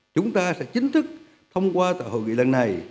chúng ta sẽ chính thức thông qua tại hội nghị lần này